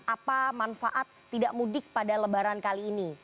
apa manfaat tidak mudik pada lebaran kali ini